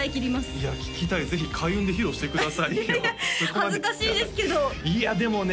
いや聴きたいぜひ開運で披露してくださいよ恥ずかしいですけどいやでもね